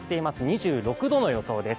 ２６度の予想です。